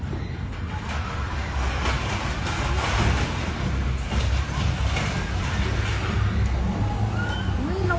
เมื่อตายรถยังเที่ยวขับกลาง